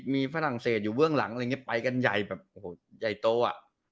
มีฝรั่งเศสอยู่เวืองหลังไปกันใหญ่แบบใหญ่โตอ่ะ